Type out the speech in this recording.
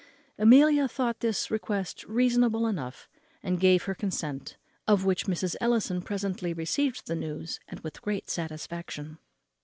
Amelia thought this request reasonable enough, and gave her consent; of which Mrs. Ellison presently received the news, and with great satisfaction.